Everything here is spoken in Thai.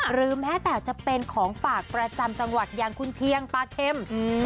หรือแม้แต่จะเป็นของฝากประจำจังหวัดอย่างคุณเชียงปลาเข็ม